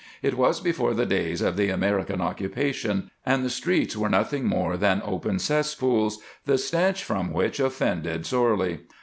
It was before the days of the American occupation, and the streets were nothing more than open cesspools, the stench from which offended sorely.